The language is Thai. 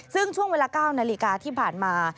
ซึ่งช่วงเวลา๙นาฬิกาที่ผ่านมา